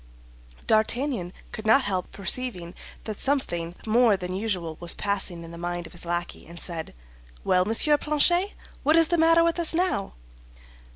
D'Artagnan could not help perceiving that something more than usual was passing in the mind of his lackey and said, "Well, Monsieur Planchet, what is the matter with us now?"